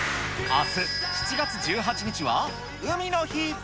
あす７月１８日は海の日。